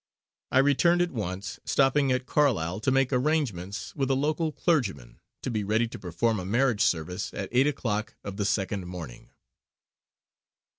I returned at once, stopping at Carlisle to make arrangements with a local clergyman to be ready to perform a marriage service at eight o'clock of the second morning.